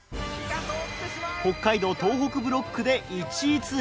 北海道・東北ブロックで１位通過。